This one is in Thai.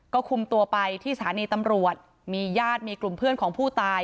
ก็คุมตัวไปที่สถานีตำรวจมีญาติมีกลุ่มเพื่อนของผู้ตาย